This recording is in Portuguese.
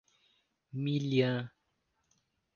Milhã